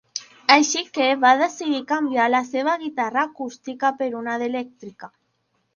Així que va decidir canviar la seva guitarra acústica per una d'elèctrica.